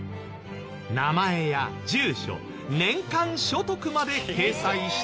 名前や住所年間所得まで掲載していた。